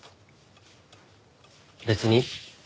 別に。